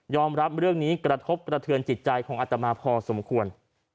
รับเรื่องนี้กระทบกระเทือนจิตใจของอัตมาพอสมควร